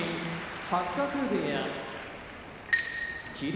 八角部屋霧